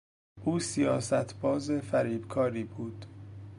او سیاست باز فریبکاری بود.